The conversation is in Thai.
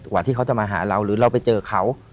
ที่เขาจะมาหาเราหรือเราไปเจอเขา